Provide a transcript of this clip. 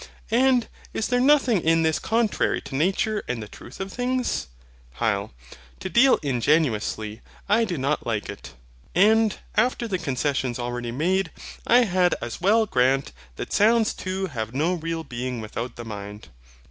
And is there nothing in this contrary to nature and the truth of things? HYL. To deal ingenuously, I do not like it. And, after the concessions already made, I had as well grant that sounds too have no real being without the mind.